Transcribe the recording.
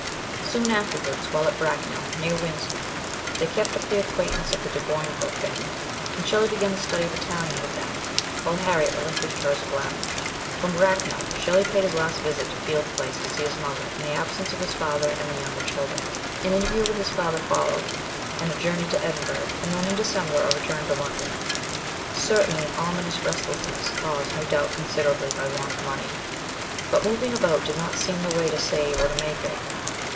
Soon afterwards, while at Brack nell, near Windsor, they kept up the acquaintance of the De Boinville family, and Shelley began the study of Italian with ,them while Harriet relinquished hers of Latin. From Bracknell Shelley paid his last visit to Field Place to see his mother, in the absence of his father and the younger children. An interview with his father followed, and a journey to Edinburgh, and then in December a return to London ; certainly an ominous restlessness, caused, no doubt, considerably by want of money, but moving about did not seem the way to save or to make it.